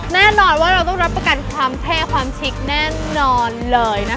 แน่นอนว่าเราต้องรับประกันความเท่ความชิคแน่นอนเลยนะคะ